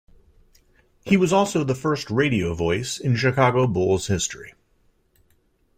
He also was the first radio voice in Chicago Bulls history.